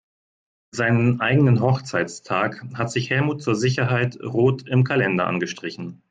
Seinen eigenen Hochzeitstag hat sich Helmut zur Sicherheit rot im Kalender angestrichen.